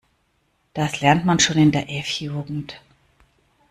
Das lernt man schon in der F-Jugend.